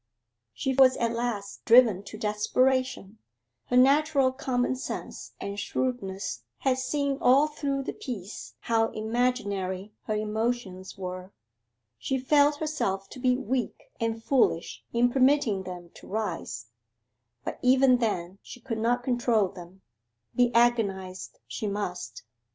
She was at last driven to desperation: her natural common sense and shrewdness had seen all through the piece how imaginary her emotions were she felt herself to be weak and foolish in permitting them to rise; but even then she could not control them: be agonized she must.